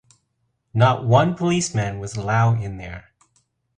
Not one policeman was allowed in there ...